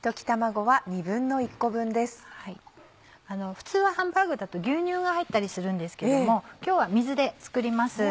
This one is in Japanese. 普通はハンバーグだと牛乳が入ったりするんですけども今日は水で作ります。